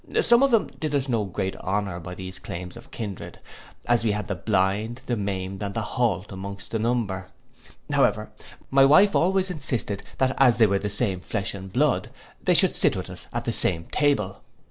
Some of them did us no great honour by these claims of kindred; as we had the blind, the maimed, and the halt amongst the number. However, my wife always insisted that as they were the same flesh and blood, they should sit with us at the same table.